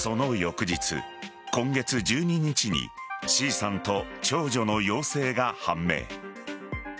その翌日、今月１２日にＣさんと長女の陽性が判明。